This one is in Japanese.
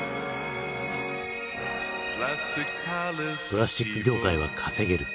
プラスチック業界は稼げる。